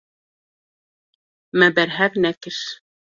Me berhev nekir.